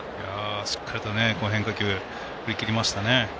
しっかりと変化球振り切りましたね。